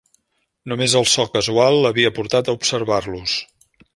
Només el so casual l'havia portat a observar-los.